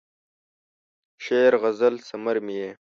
شعر، غزل ثمر مې یې